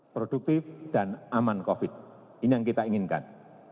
produktif dan aman covid ini yang kita inginkan